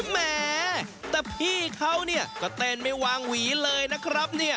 แหมแต่พี่เขาก็เต้นไม่วางหวีเลยนะครับเนี่ย